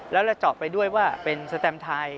แล้วเราเจาะไปด้วยว่าเป็นสแตมไทย